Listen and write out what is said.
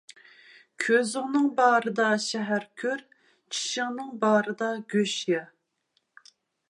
كۆزۈڭنىڭ بارىدا شەھەر كۆر، چىشىڭنىڭ بارىدا گۆش يە.